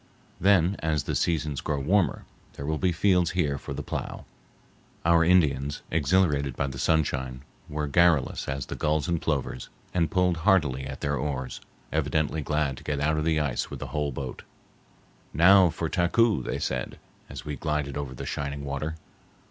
Then, as the seasons grow warmer, there will be fields here for the plough. Our Indians, exhilarated by the sunshine, were garrulous as the gulls and plovers, and pulled heartily at their oars, evidently glad to get out of the ice with a whole boat. "Now for Taku," they said, as we glided over the shining water.